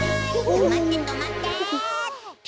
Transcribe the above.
とまってとまって！